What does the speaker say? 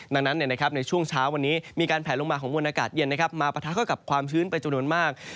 ดังนั้นในช่วงเช้าวันนี้มีการแผลลงมาของมวลอากาศเย็นมาปะทะเข้ากับความชื้นไปจำนวนมาก